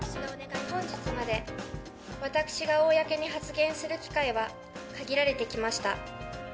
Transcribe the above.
本日まで、私が公に発言する機会は限られてきました。